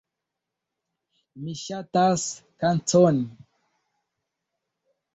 Mi ŝatas kacon